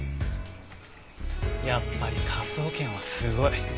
やっぱり科捜研はすごい。